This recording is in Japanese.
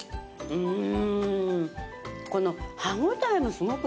うん。